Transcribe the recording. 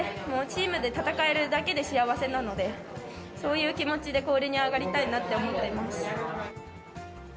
もうチームで戦えるだけで幸せなので、そういう気持ちで氷に上がりたいなって思っています。